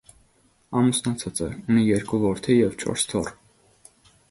Ամուսնացած է, ունի երկու որդի և չորս թոռ։